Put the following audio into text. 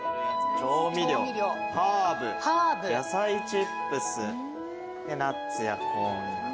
調味料ハーブ野菜チップスでナッツやコーン。